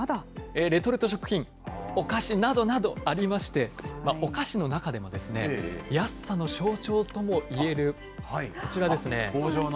レトルト食品、お菓子などなどありまして、お菓子の中でも安さの象徴ともいえるこちらですね。